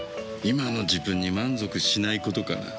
今の自分に満足しないことかな。